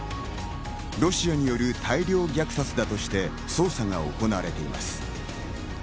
ロシアによる大量虐殺だとして、捜査が行われています。